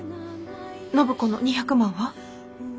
暢子の２００万は？